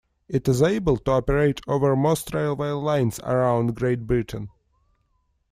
It is able to operate over most railway lines around Great Britain.